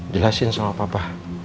jelasin sama papa